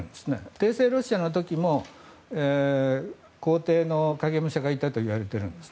帝政ロシアの時も皇帝の影武者がいたといわれているんです。